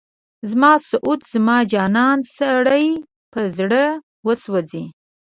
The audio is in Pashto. زما سعود، زما جانان، سړی په زړه وسوځي